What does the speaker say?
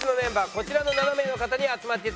こちらの７名の方に集まっていただきました。